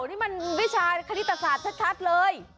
นี่มันวิชาคณิตศาสตร์ชัดเลย